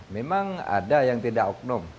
memang ada yang tidak oknum